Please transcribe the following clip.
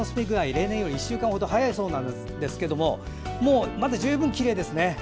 例年よりも早いそうなんですけれどもまだ十分きれいですね。